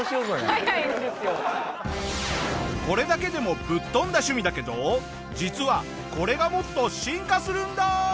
これだけでもぶっ飛んだ趣味だけど実はこれがもっと進化するんだ！